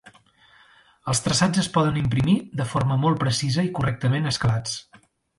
Els traçats es poden imprimir de forma molt precisa i correctament escalats.